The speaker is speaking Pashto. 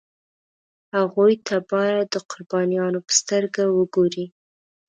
هغوی ته باید د قربانیانو په سترګه وګوري.